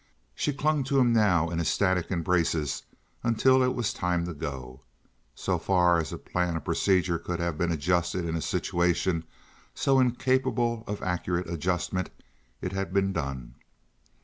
She clung to him now in ecstatic embraces until it was time to go. So far as a plan of procedure could have been adjusted in a situation so incapable of accurate adjustment, it had been done.